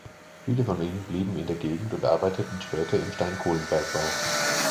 Viele von ihnen blieben in der Gegend und arbeiteten später im Steinkohlenbergbau.